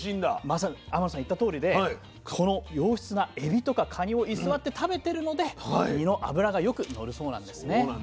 まさに天野さん言ったとおりでこの良質なエビとかカニを居座って食べてるので身の脂がよくのるそうなんですね。